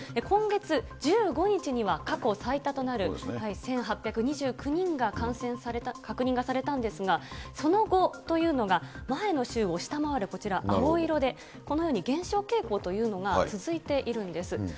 今月１５日には、過去最多となる１８２９人が感染が確認されたんですが、その後というのが、前の週を下回る、こちら、青色でこのように減少傾向というのが続いているんです。